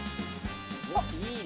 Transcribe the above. おっいいね。